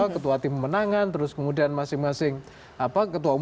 ketua tim pemenangan terus kemudian masing masing ketua umum